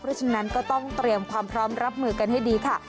เพราะฉะนั้นก็ต้องเตรียมความพร้อมรับมือกันให้ดีค่ะ